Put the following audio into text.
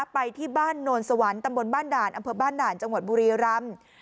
ไปที่บ้านโนนสวรรค์ตำบลบ้านด่านอำเภอบ้านด่านจังหวัดบุรีรำ